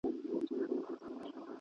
هغه وويل چي قلم ضروري دی